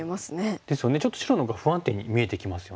ちょっと白のほうが不安定に見えてきますよね。